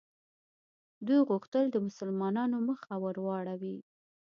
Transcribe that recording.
دوی غوښتل د مسلمانانو مخه ور واړوي.